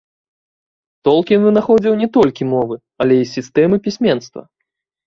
Толкін вынаходзіў не толькі мовы, але і сістэмы пісьменства.